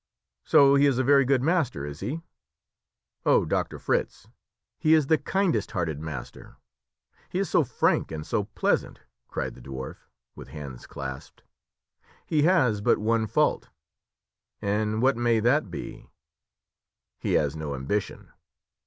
"So he is a very good master, is he?" "Oh, Doctor Fritz, he is the kindest hearted master! he is so frank and so pleasant!" cried the dwarf, with hands clasped. "He has but one fault." "And what may that be?" "He has no ambition."